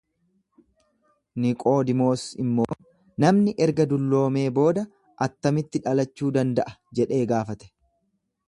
Niqoodimoos immoo, Namni erga dulloomee booda attamitti dhalachuu danda'a jedhee gaafate.